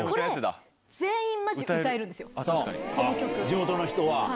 地元の人は。